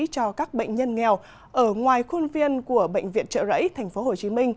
cho các bệnh nhân nghèo ở ngoài khuôn viên của bệnh viện trợ rẫy tp hcm